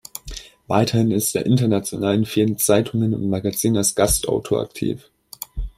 Weiterhin ist er international in vielen Zeitungen und Magazinen als Gastautor aktiv.